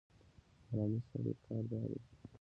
د حرامي سړي کار دا دی.